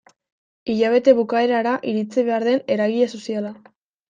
Hilabete bukaerara iritsi behar den eragile soziala.